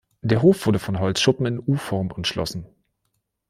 Der Hof wurde von Holzschuppen in U-Form umschlossen.